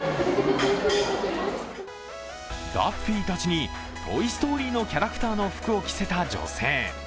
ダッフィーたちに「トイ・ストーリー」のキャラクターの服を着せた女性。